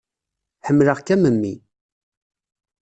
Ḥemmleɣ-k am mmi.